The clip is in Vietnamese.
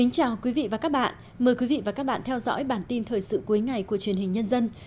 chào mừng quý vị đến với bản tin thời sự cuối ngày của truyền hình nhân dân